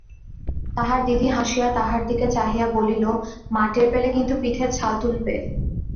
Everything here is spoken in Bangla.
তাহার দিদি হাসিয়া তাহার দিকে চাহিয়া বলিলমা টের পেলে কিন্তু-পিঠের ছাল তুলবে।